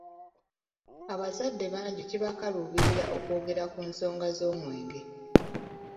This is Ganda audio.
Abazadde bangi kibakaluubirira okwogera ku nsonga z’omwenge.